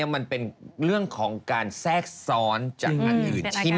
มันเป็นเรื่องของการแทรกซ้อนจากอันอื่นที่มัน